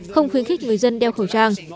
không khuyến khích người dân đeo khẩu trang